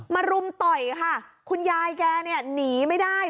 มารุมต่อยค่ะคุณยายแกเนี่ย